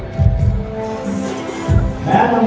สโลแมคริปราบาล